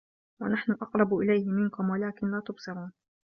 وَنَحنُ أَقرَبُ إِلَيهِ مِنكُم وَلكِن لا تُبصِرونَ